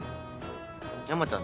山ちゃん